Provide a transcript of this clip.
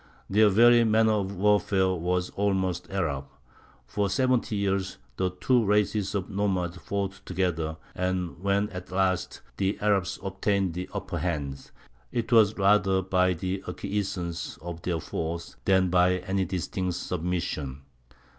Their very manner of warfare was almost Arab. For seventy years the two races of nomads fought together, and when at last the Arabs obtained the upper hand, it was rather by the acquiescence of their foes than by any distinct submission.